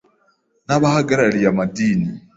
n’abahagarariye amadini